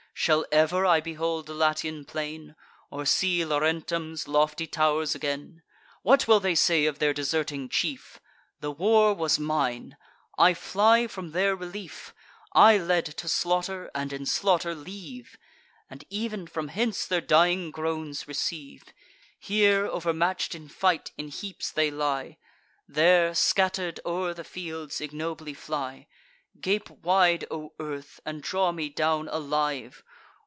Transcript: Shall ever I behold the Latian plain, Or see Laurentum's lofty tow'rs again? What will they say of their deserting chief The war was mine: I fly from their relief; I led to slaughter, and in slaughter leave; And ev'n from hence their dying groans receive. Here, overmatch'd in fight, in heaps they lie; There, scatter'd o'er the fields, ignobly fly. Gape wide, O earth, and draw me down alive!